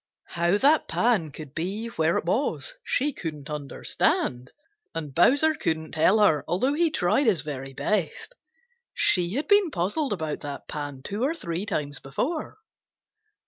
How that pan could be where it was she couldn't understand, and Bowser couldn't tell her, although he tried his very best. She had been puzzled about that pan two or three times before.